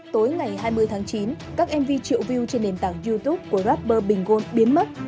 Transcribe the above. tối ngày hai mươi tháng chín các mv triệu view trên nền tảng youtube của rapper bình gôn biến mất